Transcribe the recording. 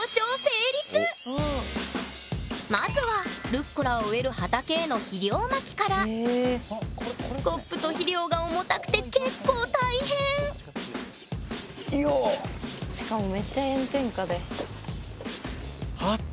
まずはルッコラを植える畑へのスコップと肥料が重たくて結構大変よおっ。